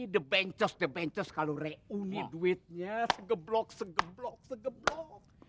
di bencos bencos kalau reuni duitnya geblok geblok geblok